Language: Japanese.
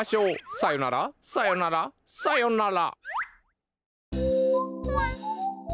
さよならさよならさよなら！